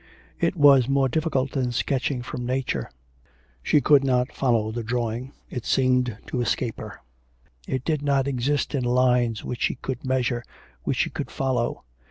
It was more difficult than sketching from nature. She could not follow the drawing, it seemed to escape her. It did not exist in lines which she could measure, which she could follow.